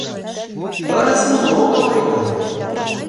Пырысым огыл ойлат!..